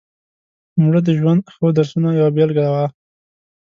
مړه د ژوند ښو درسونو یوه بېلګه وه